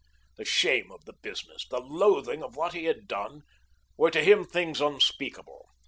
The shame of the business, the loathing of what he had done, were to him things unspeakable.